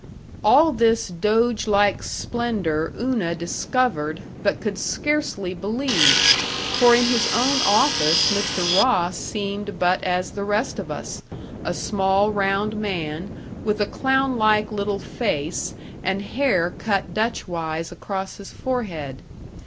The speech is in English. All this doge like splendor Una discovered, but could scarcely believe, for in his own office Mr. Ross seemed but as the rest of us a small round man, with a clown like little face and hair cut Dutch wise across his forehead.